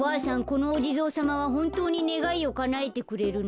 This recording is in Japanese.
このおじぞうさまはほんとうにねがいをかなえてくれるの？